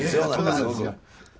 そうなんですよ。